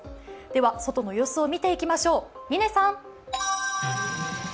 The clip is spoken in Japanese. では、外の様子を見ていきましょう嶺さん。